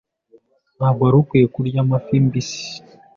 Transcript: Ntabwo wari ukwiye kurya amafi mbisi.